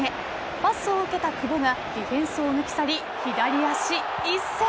パスを受けた久保がディフェンスを抜き去り左足一閃。